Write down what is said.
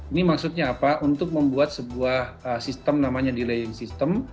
ini maksudnya apa untuk membuat sebuah sistem namanya delaying system